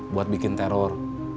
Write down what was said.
buat bikin teror